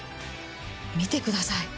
見てください。